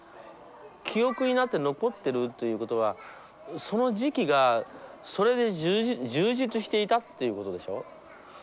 記憶になって残ってるということはその時期がそれで充実していたということでしょ。